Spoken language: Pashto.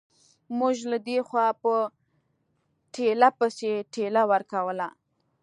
موږ له دې خوا په ټېله پسې ټېله ورکوله.